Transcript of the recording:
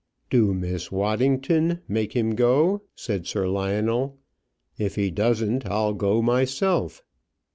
"Do, Miss Waddington; make him go," said Sir Lionel. "If he doesn't, I'll go myself."